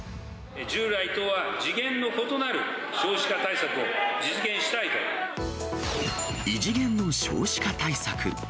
従来とは次元の異なる少子化異次元の少子化対策。